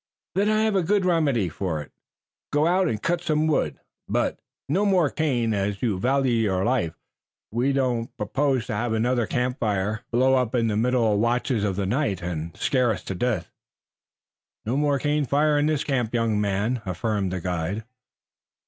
"Then I have a good remedy for it. Go out and cut some wood, but no more cane as you value your life. We don't propose to have another campfire blow up in the middle watches of the night and scare us to death." "No more cane fire in this camp, young man," affirmed the guide.